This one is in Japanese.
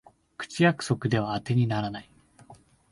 口約束ではあてにならない